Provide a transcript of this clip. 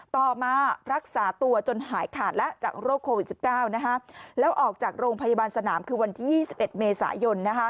ต่อมารักษาตัวจนหายขาดแล้วจากโรคโควิด๑๙แล้วออกจากโรงพยาบาลสนามคือวันที่๒๑เมษายน